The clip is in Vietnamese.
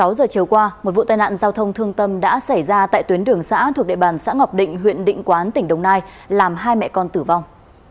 một mươi giờ chiều qua một vụ tai nạn giao thông thương tâm đã xảy ra tại tuyến đường xã thuộc địa bàn xã ngọc định huyện định quán tỉnh đồng nai làm hai mẹ con tử vong